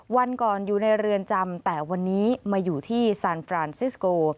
วันก่อนอยู่ในเรือนจำแต่วันนี้มาอยู่ที่ซานฟรานซิสโก